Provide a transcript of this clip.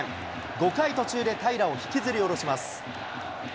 ５回途中で平良を引きずり下ろします。